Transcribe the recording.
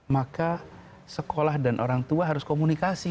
maka sekolah dan orang tua harus komunikasi